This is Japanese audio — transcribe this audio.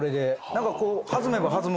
何かこう。